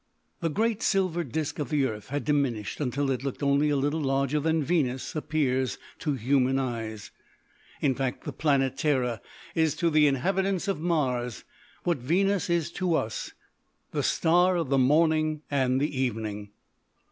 The great silver disc of the earth had diminished until it looked only a little larger than Venus appears to human eyes. In fact the planet Terra is to the inhabitants of Mars what Venus is to us, the Star of the Morning and the Evening.